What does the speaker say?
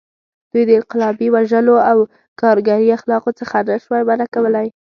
دوی د انقلابي وژلو او کارګري اخلاقو څخه نه شوای منع کولی.